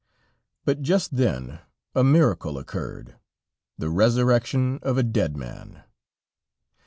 But just then a miracle occurred the resurrection of a dead man.